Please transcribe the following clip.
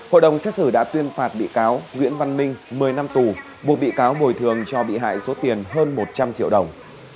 hội đồng xét xử đã tuyên phạt bị cáo nguyễn văn minh một mươi năm tù buộc bị cáo bồi thường cho bị hại số tiền hơn một trăm linh triệu đồng